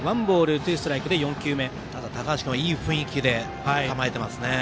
ただ高橋君は、いい雰囲気で構えてますね。